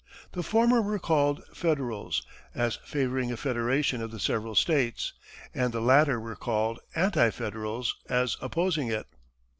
The former were called Federals, as favoring a federation of the several states, and the latter were called Anti Federals, as opposing it.